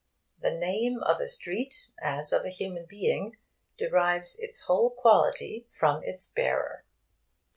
The name of a street, as of a human being, derives its whole quality from its bearer.